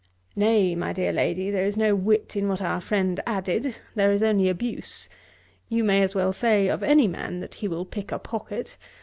'Nay, my dear lady, there is no wit in what our friend added; there is only abuse. You may as well say of any man that he will pick a pocket.